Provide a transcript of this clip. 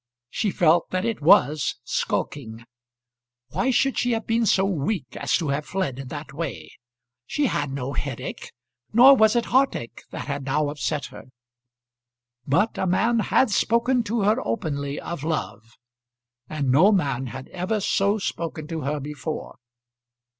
She felt that it was skulking. Why should she have been so weak as to have fled in that way? She had no headache nor was it heartache that had now upset her. But a man had spoken to her openly of love, and no man had ever so spoken to her before.